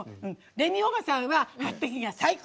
レミおばさんは、８滴が最高！